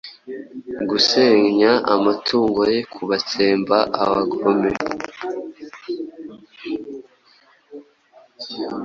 Gusenya amatongo ye kubatsemba abagome